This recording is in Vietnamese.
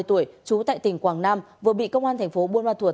ba mươi tuổi trú tại tỉnh quảng nam vừa bị công an tp buôn ma thuột